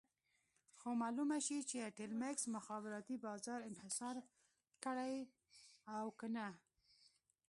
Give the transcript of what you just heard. څو معلومه شي چې ټیلمکس مخابراتي بازار انحصار کړی او که نه.